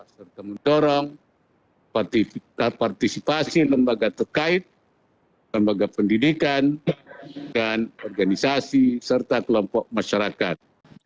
serta mendorong partisipasi lembaga terkait lembaga pendidikan dan organisasi serta kelompok masyarakat